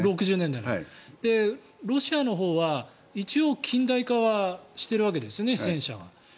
ロシアのほうは戦車は一応、近代化はしてるわけですよね。